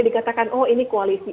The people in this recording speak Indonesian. dikatakan oh ini koalisi